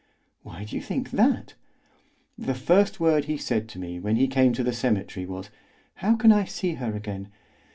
"Why do you think that?" "The first word he said to me when he came to the cemetery was: 'How can I see her again?